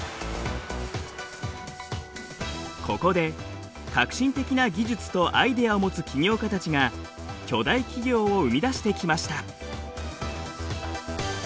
ここで革新的な技術とアイデアを持つ起業家たちが巨大企業を生み出してきました。